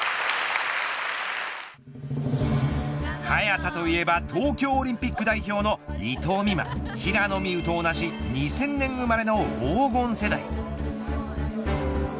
早田といえば東京オリンピック代表の伊藤美誠平野美宇と同じ２０００年生まれの黄金世代。